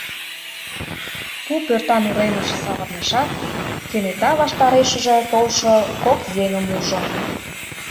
Пу пӧртан уремыш савырнышат, кенета ваштарешыже толшо кок еҥым ужо.